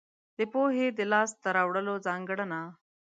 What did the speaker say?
د پوهې د لاس ته راوړلو ځانګړنه.